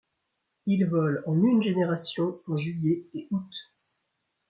Il vole en une génération en juillet et aout.